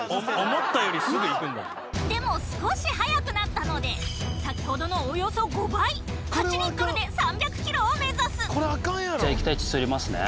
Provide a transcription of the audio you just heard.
思ったよりすぐ行くんだもんでも少し速くなったので先ほどのおよそ５倍８リットルで３００ｋｍを目指すじゃあ液体窒素入れますね